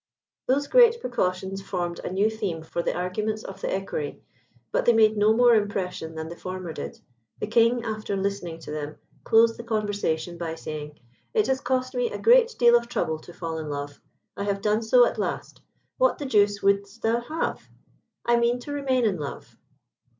Those great precautions formed a new theme for the arguments of the Equerry, but they made no more impression than the former did. The King, after listening to them, closed the conversation by saying, "It has cost me a great deal of trouble to fall in love. I have done so at last. What the deuce wouldst thou have? I mean to remain in love."